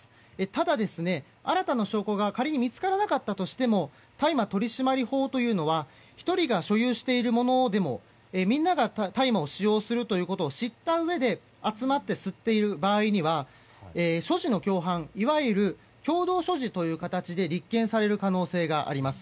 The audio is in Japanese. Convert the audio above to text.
ただ新たな証拠が仮に見つからなかったとしても大麻取締法というのは１人が所有しているものでもみんなが大麻を使用するということを知ったうえで集まって吸っている場合には所持の共犯いわゆる共同所持という形で立件される可能性があります。